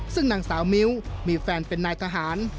ซึ่งนางสาวมิ้วมีแฟนเป็นนายทหาร